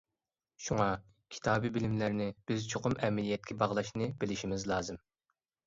شۇڭا كىتابى بىلىملەرنى بىز چوقۇم ئەمەلىيەتكە باغلاشنى بىلىشىمىز لازىم.